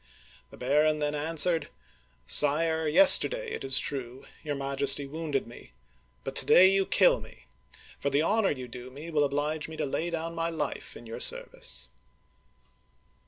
The baron then answered :" Sire, yesterday, it is true, your Majesty wounded me, but to day you kill me, for the honor you do me will oblige me to lay down my life in your service